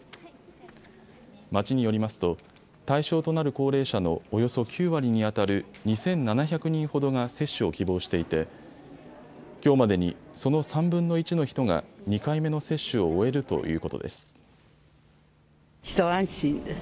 町によりますと対象となる高齢者のおよそ９割にあたる２７００人ほどが接種を希望していてきょうまでに、その３分の１の人が２回目の接種を終えるということです。